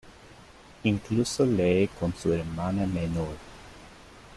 Incluso lee con su hermana menor.